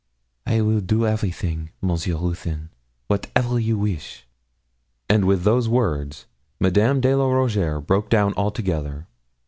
'I will do everything, Monsieur Ruthyn whatever you wish.' And with these words Madame de la Rougierre broke down altogether.